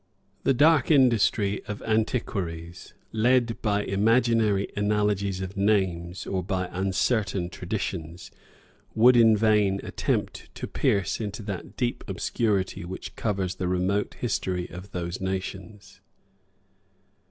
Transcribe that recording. The dark industry of antiquaries, led by imaginary analogies of names, or by uncertain traditions, would in vain attempt to pierce into that deep obscurity which covers the remote history of those nations.